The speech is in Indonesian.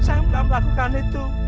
saya tidak melakukan itu